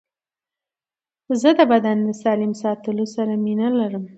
زه د بدن د سالم ساتلو سره مینه لرم.